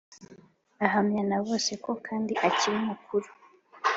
Ahamya na bose ko kandi akiri mukuri